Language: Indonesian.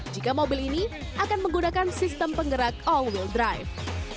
jika mobil ini akan menggunakan sistem penggerak all wheel drive